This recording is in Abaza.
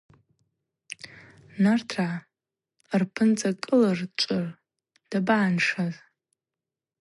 Нартыргӏа рпынцӏакӏылырчӏвыр дабагӏаншаз.